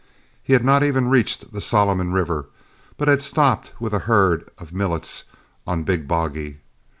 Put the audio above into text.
He had not even reached the Solomon River, but had stopped with a herd of Millet's on Big Boggy.